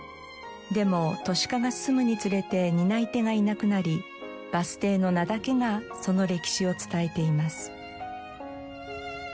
でも都市化が進むにつれて担い手がいなくなりバス停の名だけがその歴史を伝えています。